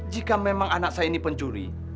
jika memang anak saya ini pencuri